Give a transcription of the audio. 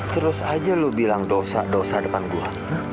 terus aja lu bilang dosa dosa depan gua